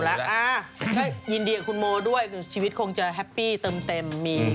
แล้วก็ยินดีกับคุณโมด้วยชีวิตคงจะแฮปปี้เติมเต็ม